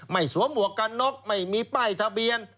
สวมหมวกกันน็อกไม่มีป้ายทะเบียน